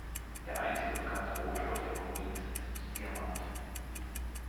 Der einzige bekannte Rohstoff der Provinz sind Diamanten.